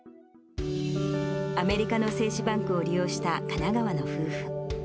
アメリカの精子バンクを利用した神奈川の夫婦。